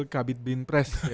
kabit bin pres ya bang